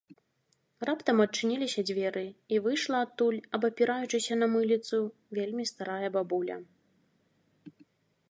Раптам адчыніліся дзверы, і выйшла адтуль, абапіраючыся на мыліцу, вельмі старая бабуля